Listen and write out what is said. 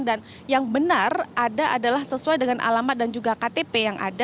dan yang benar ada adalah sesuai dengan alamat dan juga ktp yang ada